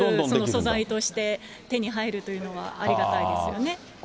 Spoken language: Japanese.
素材として手に入るというのは、ありがたいですよね。